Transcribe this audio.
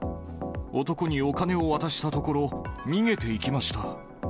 男にお金を渡したところ、逃げていきました。